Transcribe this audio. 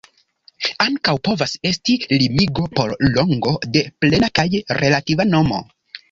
Ankaŭ povas esti limigo por longo de plena kaj relativa nomo.